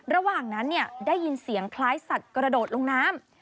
ระหว่างนั้นได้ยินเสียงคล้ายสัตว์กระโดดลงน้ำ